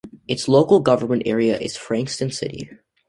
Its local government area is Frankston City.